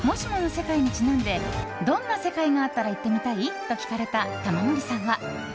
世界にちなんでどんな世界があったら行ってみたい？と聞かれた玉森さんは。